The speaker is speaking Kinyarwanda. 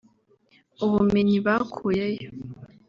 ubumenyi bakuyeyo